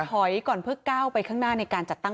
ถอยก่อนเพื่อก้าวไปข้างหน้าในการจัดตั้ง